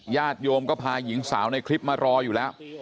ญาติโยมก็พาหญิงสาวในคลิปมารออยู่แล้ว